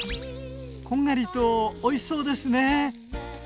こんがりとおいしそうですね。